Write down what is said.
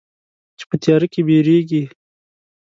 چې په تیاره کې بیریږې